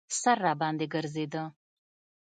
سر راباندې ګرځېده.